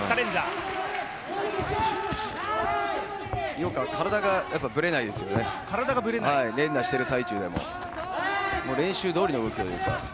井岡は体がぶれないですよね、連打してる最中でも、練習どおりの動きというか。